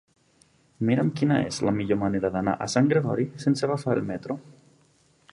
Mira'm quina és la millor manera d'anar a Sant Gregori sense agafar el metro.